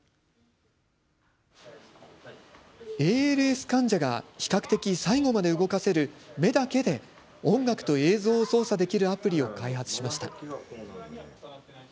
ＡＬＳ患者が比較的最後まで動かせる目だけで音楽と映像を操作できるアプリを開発しました。